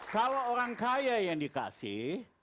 kalau orang kaya yang dikasih